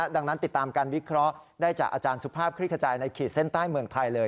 ดังนั้นติดตามการวิเคราะห์ได้จากอาจารย์สุภาพคลิกขจายในขีดเส้นใต้เมืองไทยเลย